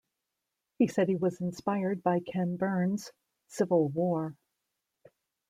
He says he was inspired by Ken Burns's "Civil War".